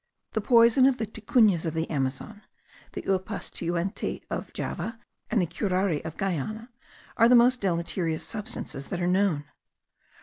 The poison of the ticunas of the Amazon, the upas tieute of Java, and the curare of Guiana, are the most deleterious substances that are known.